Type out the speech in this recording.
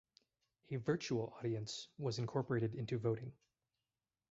A "virtual audience" was incorporated into voting.